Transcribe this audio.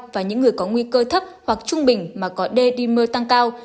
và những người có nguy cơ thấp hoặc trung bình mà có d dimer tăng cao